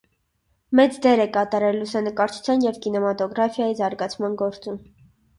Մեծ դեր է կատարել լուսանկարչության և կինեմատոգրաֆիայի զարգացման գործում։